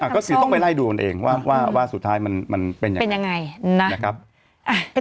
คือต้องไปไล่ดูมันเองว่าสุดท้ายมันเป็นอย่างไร